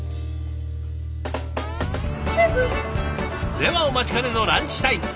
ではお待ちかねのランチタイム。